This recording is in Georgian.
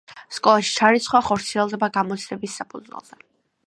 სკოლაში ჩარიცხვა ხორციელდება გამოცდების საფუძველზე.